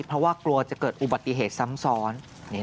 เพราะว่ากลัวจะเกิดอุบัติเหตุซ้ำซ้อน